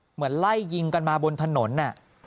เหมือนไล่ยิงกันมาบนถนน